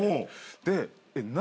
で何？